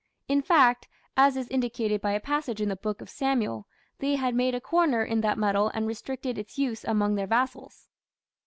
In fact, as is indicated by a passage in the Book of Samuel, they had made a "corner" in that metal and restricted its use among their vassals.